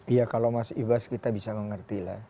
iya kalau mas ibas kita bisa mengerti lah